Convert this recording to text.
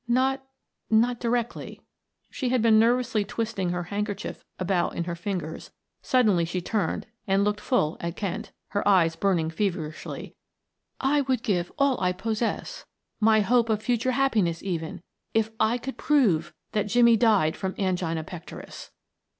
"Not not directly." She had been nervously twisting her handkerchief about in her fingers; suddenly she turned and looked full at Kent, her eyes burning feverishly. "I would give all I possess, my hope of future happiness even, if I could prove that Jimmie died from angina pectoris."